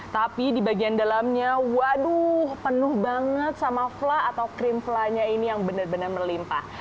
tapi di bagian dalamnya waduh penuh banget sama fla atau krim fla nya ini yang benar benar melimpah